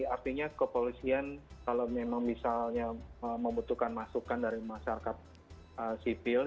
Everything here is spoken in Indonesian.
artinya kepolisian kalau memang misalnya membutuhkan masukan dari masyarakat sipil